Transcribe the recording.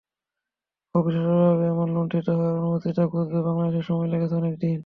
অবিশ্বাস্যভাবে এমন লুণ্ঠিত হওয়ার অনুভূতিটা ঘুচতে বাংলাদেশের সময় লেগেছে অনেক দিন।